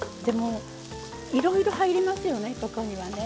いろいろ入りますよね、ここには。